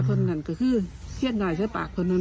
เป็นตัวราชุมือไปุ่นเย็นกัน